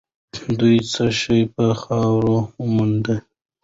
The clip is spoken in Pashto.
دوی څه شي په خاورو منډي؟